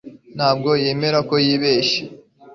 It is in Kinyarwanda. Ntabwo yemera ko yibeshye